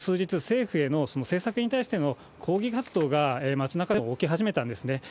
ここ数日、政府への政策に対しての抗議活動が街なかでも動き始めたんですね。